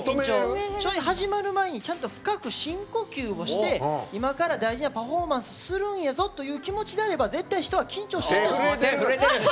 始まる前にちゃんと深く深呼吸をして今から大事なパフォーマンスするんやぞという気持ちでやれば絶対、緊張しない。